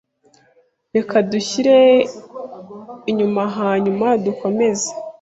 Reka dushyire inyuma hanyuma dukomeze.